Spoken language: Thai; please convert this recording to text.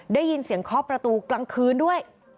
ได้ยินเสียงเคาะประตูกลางคืนด้วย